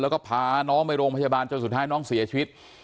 แล้วก็พาน้องไปโรงพยาบาลจนสุดท้ายน้องเสียชีวิต